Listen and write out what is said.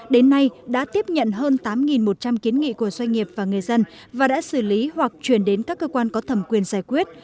đến nay đã tiếp nhận hơn tám một trăm linh kiến nghị của doanh nghiệp và người dân và đã xử lý hoặc chuyển đến các cơ quan có thẩm quyền giải quyết